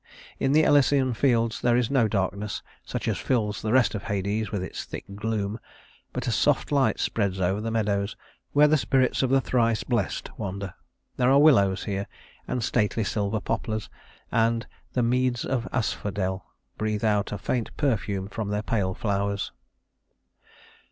In the Elysian Fields there is no darkness such as fills the rest of Hades with its thick gloom; but a soft light spreads over the meadows where the spirits of the thrice blessed wander. There are willows here, and stately silver poplars, and the "meads of Asphodel" breathe out a faint perfume from their pale flowers.